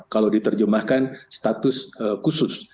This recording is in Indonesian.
kalau diterjemahkan status khusus